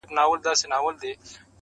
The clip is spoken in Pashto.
جانانه ستا د يادولو کيسه ختمه نه ده _